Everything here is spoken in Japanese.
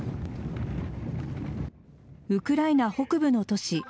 ウクライナ北部の都市